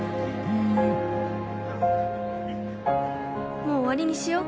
「もう終わりにしよう